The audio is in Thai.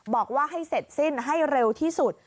บอกว่าให้เสร็จสิ้นให้เร็วที่สุด